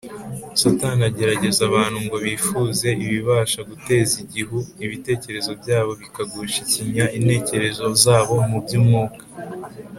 . Satani agerageza abantu ngo bifuze ibibasha guteza igihu ibitekerezo byabo bikagusha ikinya intekerezo zabo mu by’umwuka